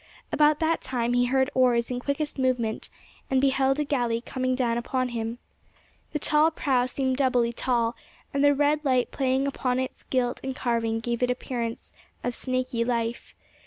About that time he heard oars in quickest movement, and beheld a galley coming down upon him. The tall prow seemed doubly tall, and the red light playing upon its gilt and carving gave it an appearance of snaky life.